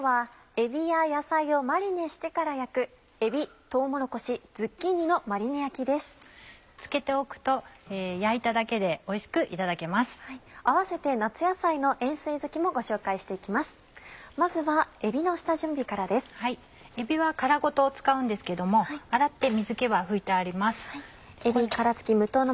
えびは殻ごと使うんですけども洗って水気は拭いてあります。